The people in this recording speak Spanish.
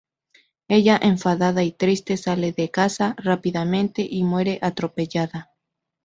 Ella, enfadada y triste, sale de casa rápidamente y muere atropellada.